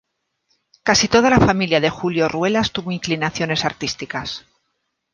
Casi toda la familia de Julio Ruelas tuvo inclinaciones artísticas.